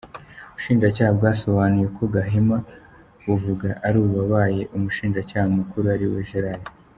Ubushinjacyaha bwasobanuye ko Gahima buvuga ari uwabaye Umushinjacyaha mukuru, ari we Gerard.